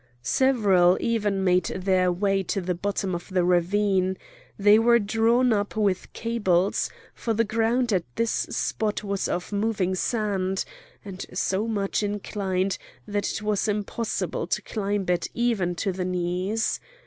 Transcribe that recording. Several even made their way to the bottom of the ravine; they were drawn up with cables, for the ground at this spot was of moving sand, and so much inclined that it was impossible to climb it even on the knees.